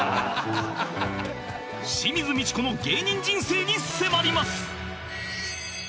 清水ミチコの芸人人生に迫ります